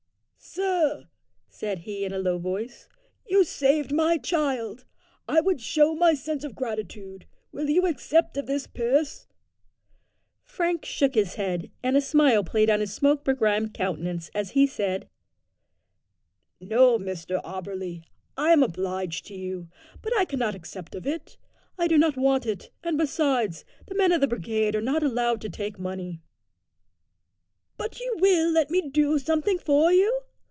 "Sir," said he in a low voice, "you saved my child. I would show my sense of gratitude. Will you accept of this purse?" Frank shook his head and a smile played on his smoke begrimed countenance as he said: "No, Mr Auberly. I am obliged to you, but I cannot accept of it. I do not want it, and besides, the men of the brigade are not allowed to take money." "But you will let me do something for you?"